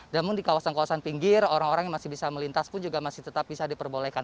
namun di kawasan kawasan pinggir orang orang yang masih bisa melintas pun juga masih tetap bisa diperbolehkan